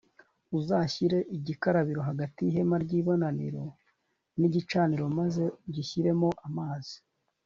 uzashyire igikarabiro hagati y’ihema ry’ibonaniro n’igicaniro maze ugishyiremo amazi